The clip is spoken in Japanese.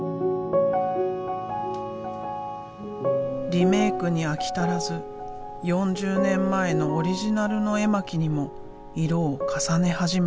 リメイクに飽き足らず４０年前のオリジナルの絵巻にも色を重ね始めた。